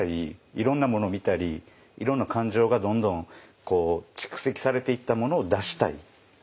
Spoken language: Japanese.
いろんなものを見たりいろんな感情がどんどん蓄積されていったものを出したい。